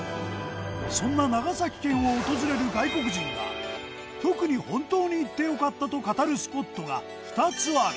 そんな長崎県を訪れる外国人が特に本当に行って良かったと語るスポットが２つある。